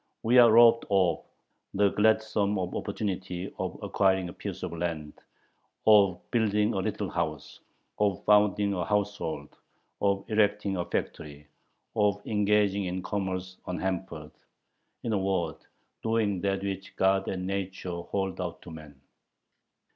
We are robbed of the gladsome opportunity of acquiring a piece of land, of building a little house, of founding a household, of erecting a factory, of engaging in commerce unhampered, in a word, doing that which God and nature hold out to man.